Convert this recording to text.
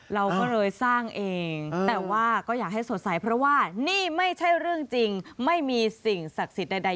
เราก็เลยสร้างเองแต่ว่าก็อยากให้สดใสเพราะว่านี่ไม่ใช่เรื่องจริงไม่มีสิ่งศักดิ์สิทธิ์ใด